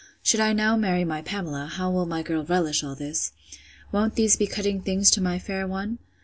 Should I now marry my Pamela, how will my girl relish all this? Won't these be cutting things to my fair one?